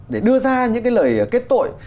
để đưa ra những cái lời kết tội